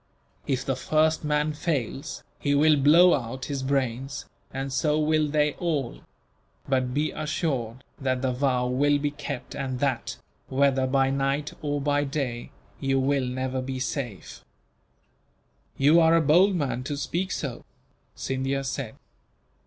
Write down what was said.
If the first man fails, he will blow out his brains, and so will they all; but be assured that the vow will be kept and that, whether by night or by day, you will never be safe." "You are a bold man to speak so," Scindia said.